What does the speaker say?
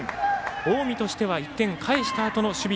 近江としては１点返したあとの守備。